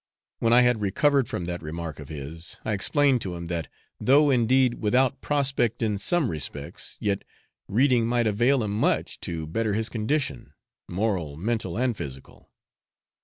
When I had recovered from that remark of his, I explained to him that, though indeed 'without prospect' in some respects, yet reading might avail him much to better his condition, moral, mental, and physical.